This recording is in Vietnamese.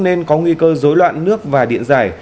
nên có nguy cơ dối loạn nước và điện giải